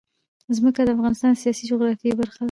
ځمکه د افغانستان د سیاسي جغرافیه برخه ده.